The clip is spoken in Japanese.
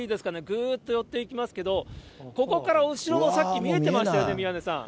ぐーっと寄っていきますけど、ここからお城がさっき、見えてましたよね、宮根さん。